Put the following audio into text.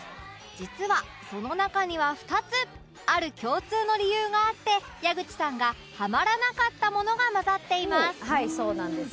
実はその中には２つある共通の理由があって矢口さんがハマらなかったものが交ざっています